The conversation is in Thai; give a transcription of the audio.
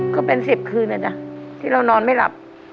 ก็เป็น๑๐คืนนะจ๊ะที่เรานอนไม่หลับ